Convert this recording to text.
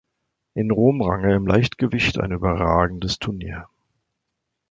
In Rom rang er im Leichtgewicht ein überragendes Turnier.